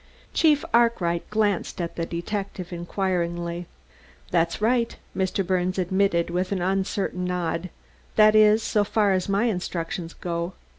Chief Arkwright glanced at the detective inquiringly. "That's right," Mr. Birnes admitted with an uncertain nod "that is, so far as my instructions go.